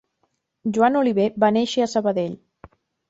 Joan Oliver va néixer a Sabadell